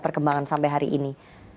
perkembangan sampai hari ini